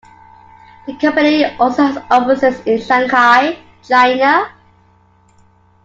The company also has offices in Shanghai, China.